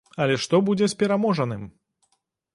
Але што будзе з пераможаным?